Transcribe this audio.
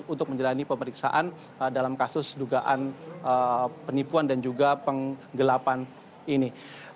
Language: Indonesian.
untuk menjalani pemeriksaan dalam kasus dugaan penipuan dan juga penggelapan ini